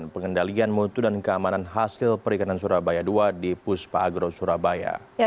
pengendalian mutu dan keamanan hasil perikanan surabaya ii di puspa agro surabaya